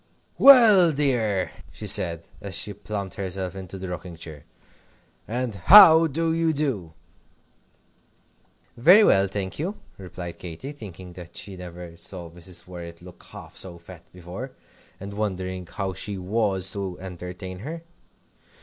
"Well, my dear," she said, as she plumped herself into the rocking chair, "and how do you do?" "Very well, thank you," replied Katy, thinking that she never saw Mrs. Worrett look half so fat before, and wondering how she was to entertain her.